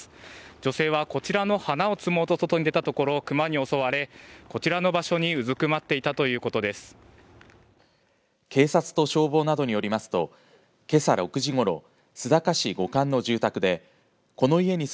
女性はこちらの花を摘もうと外に出たところ、クマに襲われこちらの場所にうずくまっていたということです。